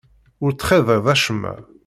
Ur ttxiḍiɣ acemma.